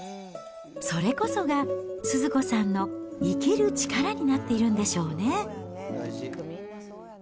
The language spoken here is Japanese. それこそがスズ子さんの生きる力になっているんでしょうね。